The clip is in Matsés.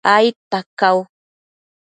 aidta cau